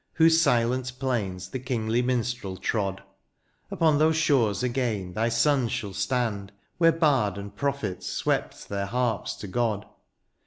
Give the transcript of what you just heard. Whose silent plains the kingly minstrel trod ; Upon those shores again thy sons shall stand. Where bard and prophet swept their harps to God.